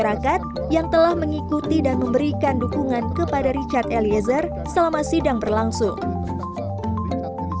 dan masyarakat yang telah mengikuti dan memberikan dukungan kepada richard eliezer selama sidang berlangsung